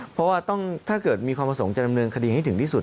เพราะว่าถ้าเกิดมีความประสงค์จะดำเนินคดีให้ถึงที่สุด